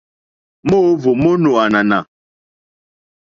Moohvò mo nò ànànà.